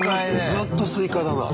ずっとスイカだな。